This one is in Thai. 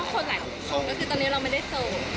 เพราะคนสาหรันต์